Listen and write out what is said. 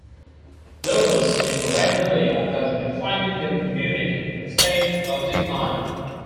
Locals in Randalia have been finding their community in a state of decline.